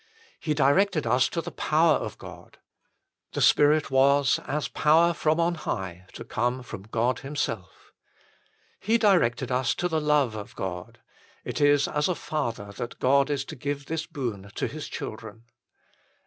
2 He directed us to the power of God : the Spirit was, as power from on high, to come from God Himself. 3 He directed us to the love of God : it is as a Father that God is to give this boon to His children.